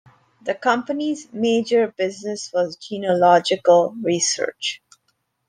The company's major business was genealogical research.